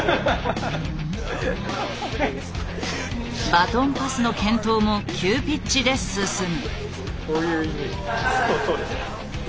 バトンパスの検討も急ピッチで進む。